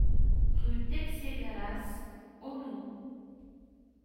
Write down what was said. Rue Texier Gallas, Auneau